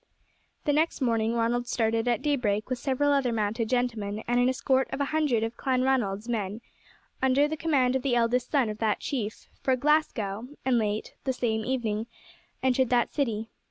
The next morning Ronald started at daybreak with several other mounted gentlemen and an escort of a hundred of Clanranald's men, under the command of the eldest son of that chief, for Glasgow, and late the same evening entered that city.